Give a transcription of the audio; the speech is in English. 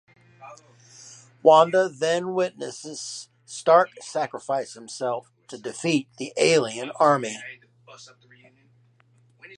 Wanda then witnesses Stark sacrifice himself to defeat the alien army.